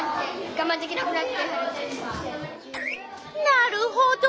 なるほど。